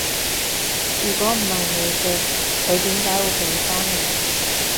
如果唔係你嘅，佢點解會畀返你？